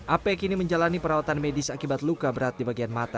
ap kini menjalani perawatan medis akibat luka berat di bagian mata